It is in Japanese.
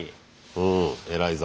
うん偉いぞ。